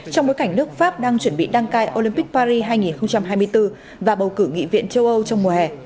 trong bối cảnh nước pháp đang chuẩn bị đăng cai olympic paris hai nghìn hai mươi bốn và bầu cử nghị viện châu âu trong mùa hè